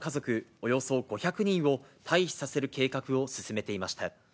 およそ５００人を退避させる計画を進めていました。